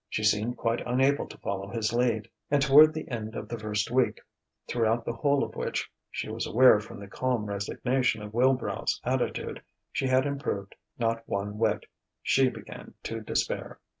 She seemed quite unable to follow his lead; and toward the end of the first week, throughout the whole of which (she was aware from the calm resignation of Wilbrow's attitude) she had improved not one whit, she began to despair.